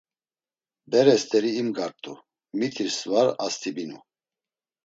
Bere steri imgart̆u, mitis var astibinu.